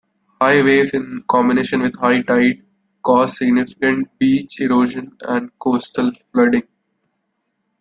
High waves, in combination with high tide, caused significant beach erosion and coastal flooding.